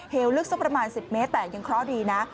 ลึกสักประมาณ๑๐เมตรแต่ยังเคราะห์ดีนะ